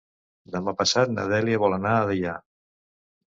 Demà passat na Dèlia vol anar a Deià.